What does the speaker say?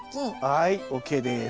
はいＯＫです。